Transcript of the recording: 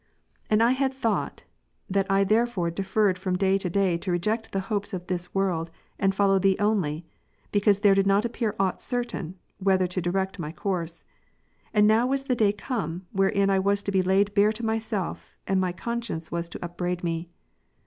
18. And I had thought, that I therefore deferred from day to day to reject the hopes of this world, and follow Thee onlj^ because there did not appear aught certain, whither to direct my course. And now was the day come wherein I was to be laid bare to myself, and my conscience was to upbraid me.